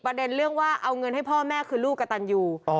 ประเด็นเรื่องว่าเอาเงินให้พ่อแม่คือลูกกับตันยูอ๋อ